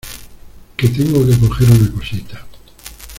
que tengo que coger una cosita.